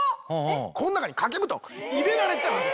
この中に掛け布団入れられちゃうんです！